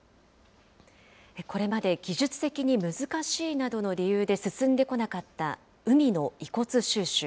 これまで技術的に難しいなどの理由で進んでこなかった海の遺骨収集。